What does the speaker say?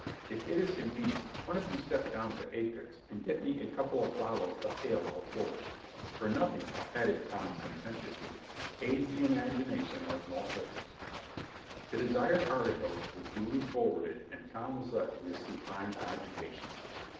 if it is convenient, one of you step down to Appich's and get me a couple of bottles of ale or porter; for nothing," added Tom sententiously, "aids the imagination like malt liquors," The desired articles were duly forwarded and Tom was left to his supine cogitations.